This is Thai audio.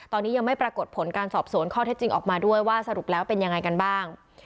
ตอนนี้ยังไม่ปรากฏผลการสอบสวนข้อเท็จจริงออกมาด้วยว่าสรุปแล้วเป็นยังไงกันบ้าง